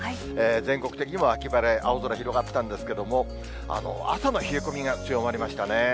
全国的にも秋晴れ、青空広がったんですけれども、朝の冷え込みが強まりましたね。